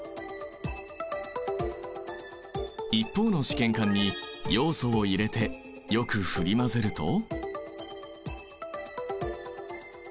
一方の試験管にヨウ素を入れてよく振り混ぜると。